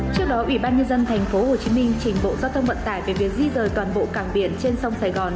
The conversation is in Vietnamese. trước đó ubnd tp hcm trình bộ giao thông vận tải về việc di dời toàn bộ cảng biển trên sông sài gòn